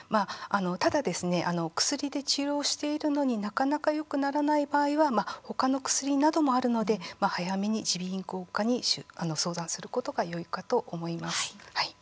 ただ、薬で治療しているのになかなかよくならない場合はほかの薬などもあるので早めに耳鼻咽喉科に相談することがよいかと思います。